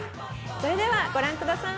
それではご覧下さい。